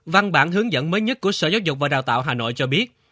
văn bản hướng dẫn mới nhất của sở giáo dục và đào tạo hà nội cho biết